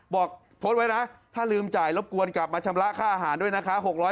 บอกโพสต์ไว้นะถ้าลืมจ่ายรบกวนกลับมาชำระค่าอาหารด้วยนะคะ